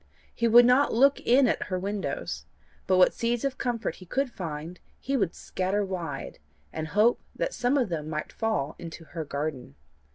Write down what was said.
He would not look in at her windows, but what seeds of comfort he could find, he would scatter wide, and hope that some of them might fall into her garden.